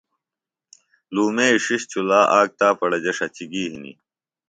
لُومئیۡ ݜِݜ چُلا آک تاپڑہ جےۡ ݜچیۡ گی ہنیۡ